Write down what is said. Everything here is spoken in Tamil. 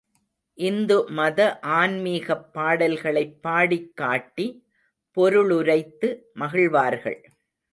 இந்து மத ஆன்மீகப் பாடல்களைப் பாடிக் காட்டி, பொருளுரைத்து மகிழ்வார்கள்.